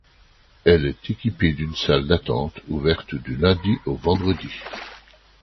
Elle est équipée d'une salle d'attente ouverte du lundi au vendredi.